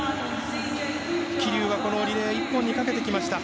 桐生はこのリレー１本にかけてきました。